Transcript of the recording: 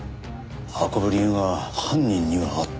運ぶ理由が犯人にはあった。